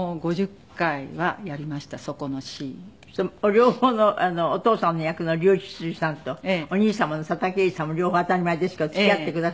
両方のお父様の役の笠智衆さんとお兄様の佐田啓二さんも両方当たり前ですけど付き合ってくださって。